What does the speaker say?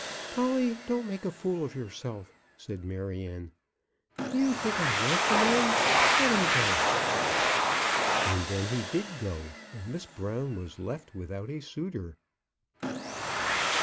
"Polly, don't make a fool of yourself," said Maryanne. "Do you think I want the man. Let him go." And then he did go, and Miss Brown was left without a suitor.